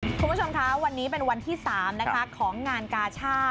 คุณผู้ชมคะวันนี้เป็นวันที่๓นะคะของงานกาชาติ